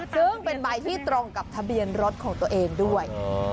ซึ่งเป็นใบที่ตรงกับทะเบียนรถของตัวเองด้วย